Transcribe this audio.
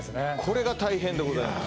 これが大変でございます